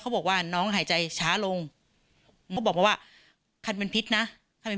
บอกว่าน้องหายใจช้าลงเขาบอกมาว่าคันเป็นพิษนะถ้าเป็น